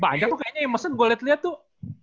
banyak tuh kayaknya yang mesen gue liat liat tuh